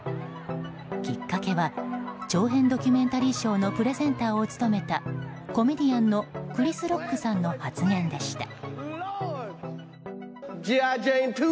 きっかけは長編ドキュメンタリー賞のプレゼンターを務めたコメディアンのクリス・ロックさんの発言でした。